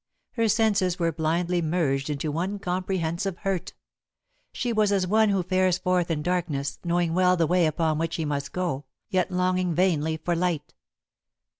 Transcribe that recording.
Her senses were blindly merged into one comprehensive hurt. She was as one who fares forth in darkness, knowing well the way upon which he must go, yet longing vainly for light.